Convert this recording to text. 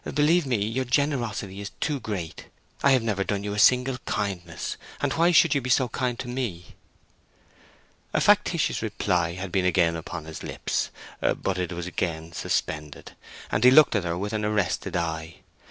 Believe me, your generosity is too great. I have never done you a single kindness, and why should you be so kind to me?" A factitious reply had been again upon his lips, but it was again suspended, and he looked at her with an arrested eye.